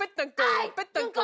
ペッタンコ。